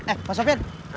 eh mas sofyan